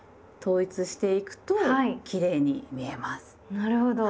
なるほど。